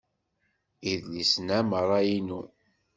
Idlisen-a merra inu.